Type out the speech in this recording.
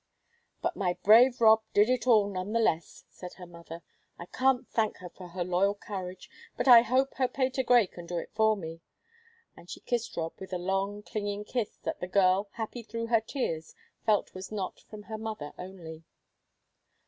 "But my brave Rob did it all, none the less," said her mother. "I can't thank her for her loyal courage, but I hope her Patergrey can do it for me." And she kissed Rob with a long, clinging kiss that the girl, happy through her tears, felt was not from her mother only.